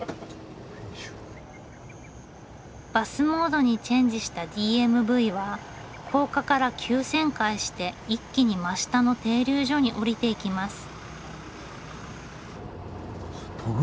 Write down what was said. バスモードにチェンジしたＤＭＶは高架から急旋回して一気に真下の停留所に下りていきます。